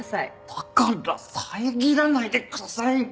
だから遮らないでください！